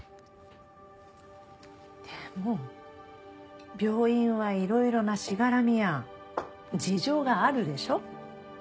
でも病院はいろいろなしがらみや事情があるでしょ。